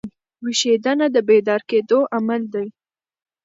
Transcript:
ویښېدنه د بیدار کېدو عمل دئ.